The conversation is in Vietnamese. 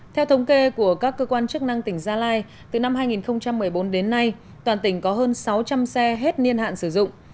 theo thống kê của các cơ quan chức năng tỉnh gia lai từ năm hai nghìn một mươi bốn đến nay toàn tỉnh có hơn sáu trăm linh xe hết niên hạn sử dụng